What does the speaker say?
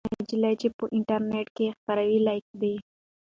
هغه نجلۍ چې په انټرنيټ کې خپروي لایقه ده.